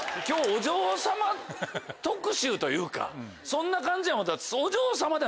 今日お嬢様特集というかそんな感じや思うたら。